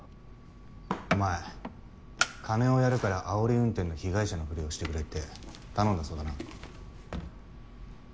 お前金をやるからあおり運転の被害者のふりをしてくれって頼んだそうだな。